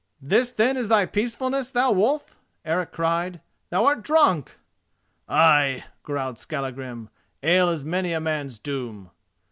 "This then is thy peacefulness, thou wolf!" Eric cried. "Thou art drunk!" "Ay," growled Skallagrim, "ale is many a man's doom."